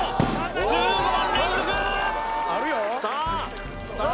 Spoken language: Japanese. １５番連続さあさあ